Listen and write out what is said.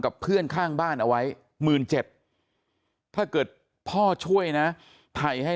กับเพื่อนข้างบ้านเอาไว้๑๗๐๐ถ้าเกิดพ่อช่วยนะไผ่ให้